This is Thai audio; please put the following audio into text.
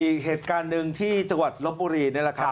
อีกเหตุการณ์หนึ่งที่จังหวัดลบบุรีนี่แหละครับ